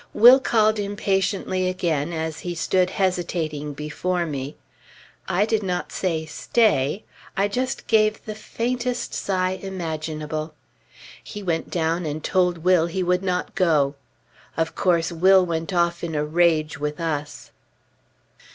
Will called impatiently again, as he stood hesitating before me; I did not say, "Stay," I just gave the faintest sigh imaginable.... He went down and told Will he would not go! Of course, Will went off in a rage with us.